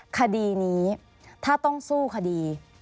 คดีนี้ถ้าต้องสู้คดี